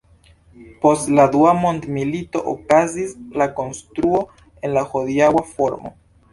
Post la Dua Mondmilito okazis la konstruo en la hodiaŭa formo.